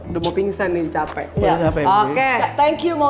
udah mau pingsan nih capek oke thank you mau